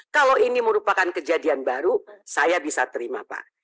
kalau ini merupakan kejadian baru saya bisa terima pak